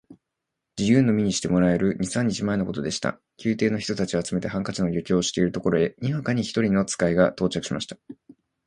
自由の身にしてもらえる二三日前のことでした。宮廷の人たちを集めて、ハンカチの余興をしているところへ、にわかに一人の使が到着しました。